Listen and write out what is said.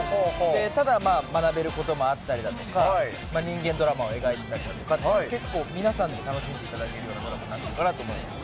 ただ、学べることもあったりだとか、人間ドラマを描いてたりだとか、結構皆さんで楽しんでいただけるようなドラマになっているかなと思います。